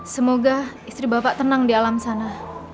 semoga istri bapak tenang di alam sana